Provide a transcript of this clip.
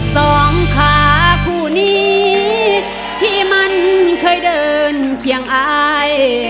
สองขาคู่นี้ที่มันเคยเดินเคียงอาย